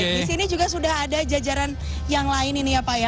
di sini juga sudah ada jajaran yang lain ini ya pak ya